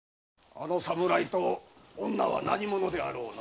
あの侍と女は何者であろう？